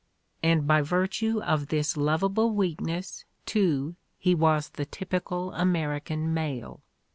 And by virtue of this lovable weakness, too, he was the typical American male.